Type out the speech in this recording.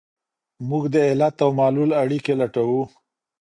موږ د علت او معلول اړیکي لټوو.